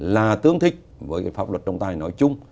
là tương thích với pháp luật trọng tài nói chung